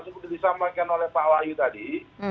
seperti disampaikan oleh pak wahyu tadi